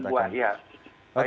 sayur dan buah iya